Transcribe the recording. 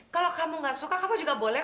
kalau kamu gak suka kamu juga boleh